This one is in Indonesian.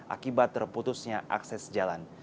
akibat terputusnya akses jalan